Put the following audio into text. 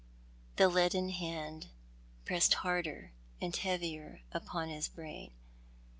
The leaden hand pressed harder and heavier upon his brain.